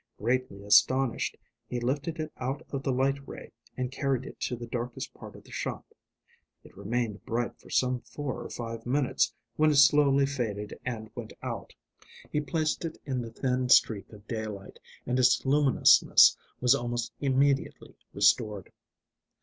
Greatly astonished, he lifted it out of the light ray and carried it to the darkest part of the shop. It remained bright for some four or five minutes, when it slowly faded and went out. He placed it in the thin streak of daylight, and its luminousness was almost immediately restored.